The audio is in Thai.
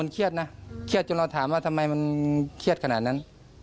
เครียดนะเครียดจนเราถามว่าทำไมมันเครียดขนาดนั้น